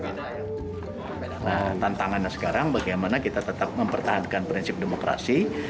nah tantangannya sekarang bagaimana kita tetap mempertahankan prinsip demokrasi